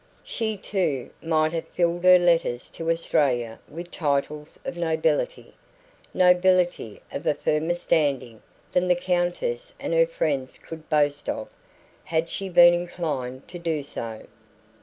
She, too, might have filled her letters to Australia with titles of nobility nobility of a firmer standing than the Countess and her friends could boast of had she been inclined to do so.